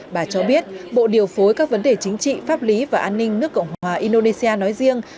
bà cho biết bộ điều phối các vấn đề chính trị pháp lý và an ninh nước cộng hòa indonesia nói riêng